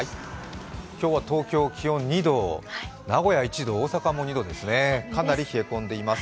今日は東京、気温２度、名古屋も１度、大阪も２度ですね、かなり冷え込んでいます。